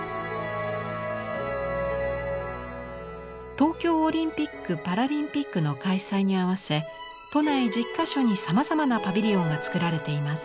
東京オリンピック・パラリンピックの開催に合わせ都内１０か所にさまざまなパビリオンが作られています。